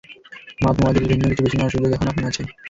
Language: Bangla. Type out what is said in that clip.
মাদমোয়াজিল, ভিন্ন কিছু বেছে নেওয়ার সুযোগ এখনও আপনার আছে।